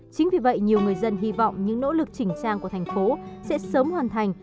chính vì vậy nhiều người dân hy vọng những nỗ lực chỉnh trang của thành phố sẽ sớm hoàn thành